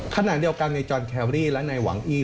ขนาดเดียวกันในจอนแควรี่และในหวังอี้